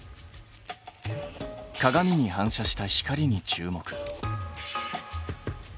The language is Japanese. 鏡に反射した光に注目。